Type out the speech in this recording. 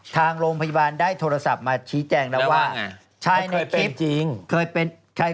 ทางโรงพยาบาลได้โทรศัพท์มาชี้แจ้งว่า